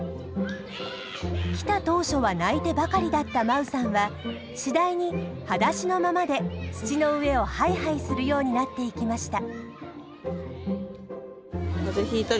来た当初は泣いてばかりだった真宇さんは次第にはだしのままで土の上をハイハイするようになっていきました。